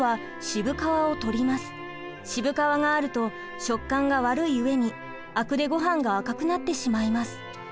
渋皮があると食感が悪い上にアクでごはんが赤くなってしまいます。